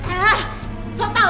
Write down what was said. eh sok tau kamu